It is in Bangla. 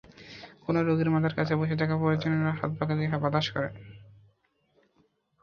কোনো রোগীর মাথার কাছে বসে থাকা পরিজনেরা হাতপাখা দিয়ে বাতাস করছেন।